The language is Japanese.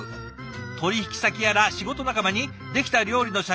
取引先やら仕事仲間にできた料理の写真を逐一送信。